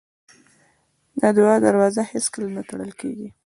د دعا دروازه هېڅکله نه تړل کېږي.